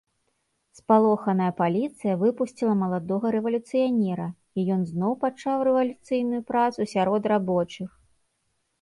Спалоханая паліцыя выпусціла маладога рэвалюцыянера, і ён зноў пачаў рэвалюцыйную працу сярод рабочых.